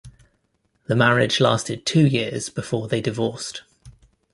The marriage lasted two years before they divorced.